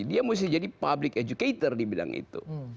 dia mesti jadi public educator di bidang itu